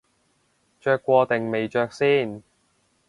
着過定未着先